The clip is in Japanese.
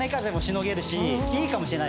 いいかもしれないですね。